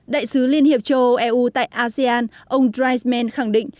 đại sứ liên hiệp châu âu eu tại asean ông dreisman khẳng định